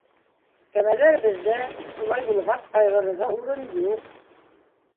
Кәмәләр беҙҙә, шулай булғас, ҡайғырырға урын юҡ.